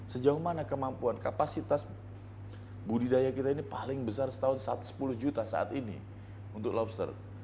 sejauh mana kemampuan kapasitas budidaya kita ini paling besar setahun sepuluh juta saat ini untuk lobster